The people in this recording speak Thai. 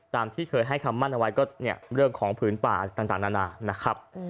ตามที่เคยให้คำมั่นเอาไว้ก็เรื่องของผลืนป่าต่างนานา